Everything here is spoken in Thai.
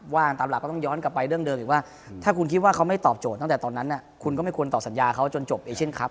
ว่างตามหลักก็รลบกับเรื่องเดิมอีกว่าคุณคิดว่าเขาไม่ตอบโจทย์จนจบแอชเซ็นครัฟ